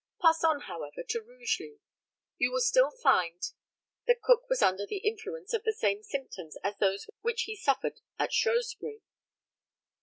Pass on, however, to Rugeley. You still find that Cook was under the influence of the same symptoms as those which he suffered at Shrewsbury.